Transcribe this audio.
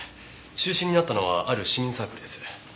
中心になったのはある市民サークルです。